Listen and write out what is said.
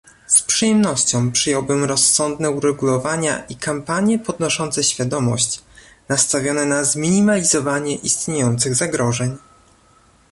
Z przyjemnością przyjąłbym rozsądne uregulowania i kampanie podnoszące świadomość, nastawione na zminimalizowanie istniejących zagrożeń